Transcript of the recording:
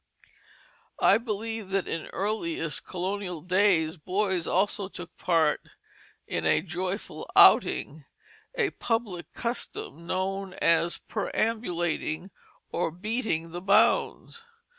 I believe that in earliest colonial days boys also took part in a joyful outing, a public custom known as perambulating or beating the bounds.